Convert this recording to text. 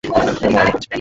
তোর মরার এতো ইচ্ছা!